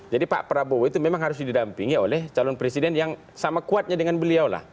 jadi pak prabowo itu memang harus didampingi oleh calon presiden yang sama kuatnya dengan beliau lah